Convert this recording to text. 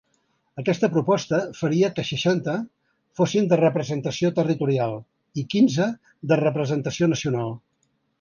Aquesta proposta faria que seixanta fossin de representació territorial i quinze de representació nacional.